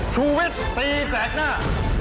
ชุวิตตีแสดงหน้า